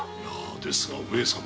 ですが上様。